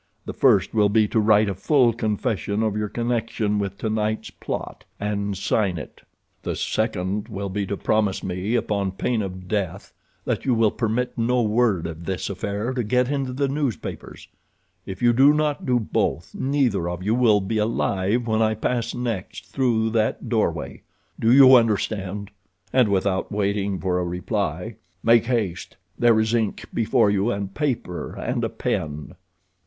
The first will be to write a full confession of your connection with tonight's plot—and sign it. "The second will be to promise me upon pain of death that you will permit no word of this affair to get into the newspapers. If you do not do both, neither of you will be alive when I pass next through that doorway. Do you understand?" And, without waiting for a reply: "Make haste; there is ink before you, and paper and a pen."